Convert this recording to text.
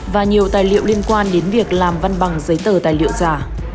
và nhiều tài liệu liên quan đến việc làm văn bằng giấy tờ tài liệu giả